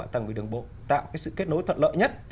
tạo cái sự kết nối thuận lợi nhất